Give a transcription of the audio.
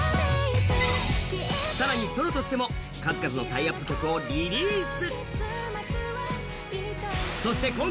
更にソロとしても数々のタイアップ曲をリリース。